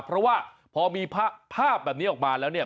เพราะว่าพอมีภาพแบบนี้ออกมาแล้วเนี่ย